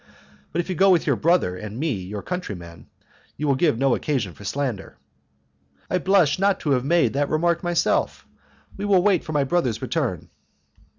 But if you go with your brother and me your countryman, you give no occasion for slander." "I blush not to have made that remark myself. We will wait for my brother's return."